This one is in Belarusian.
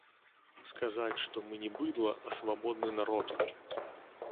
Сказаць, што мы не быдла, а свабодны народ.